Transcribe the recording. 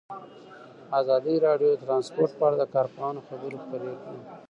ازادي راډیو د ترانسپورټ په اړه د کارپوهانو خبرې خپرې کړي.